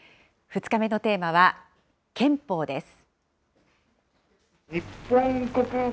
２日目のテーマは、憲法です。